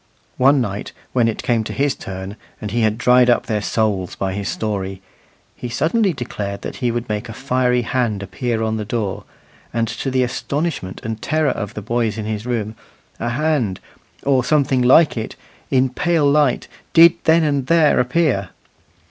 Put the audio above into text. One night when it came to his turn, and he had dried up their souls by his story, he suddenly declared that he would make a fiery hand appear on the door; and to the astonishment and terror of the boys in his room, a hand, or something like it, in pale light, did then and there appear.